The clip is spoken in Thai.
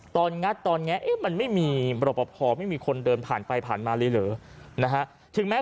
ตอนนี้ตอนนี้มันไม่มีระบบของไม่มีคนเดินผ่านไปผ่านมาเลยเหรอถึงแม้